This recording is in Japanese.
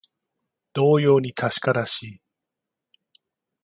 同様に確からしい